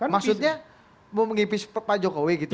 maksudnya mau mengipis pak jokowi gitu